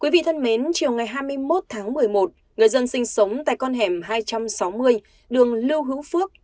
quý vị thân mến chiều ngày hai mươi một tháng một mươi một người dân sinh sống tại con hẻm hai trăm sáu mươi đường lưu hữu phước